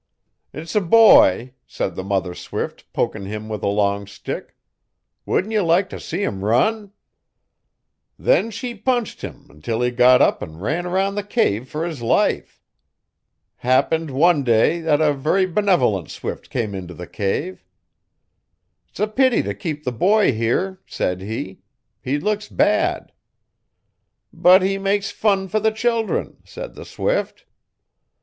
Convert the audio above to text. "S a boy," said the mother swift pokin' him with a long stick "Wouldn't ye like t' see 'im run?" Then she punched him until he got up an' run 'round the cave fer his life. Happened one day et a very benevolent swift come int' the cave. '"'S a pity t' keep the boy here," said he; "he looks bad." '"But he makes fun fer the children," said the swift.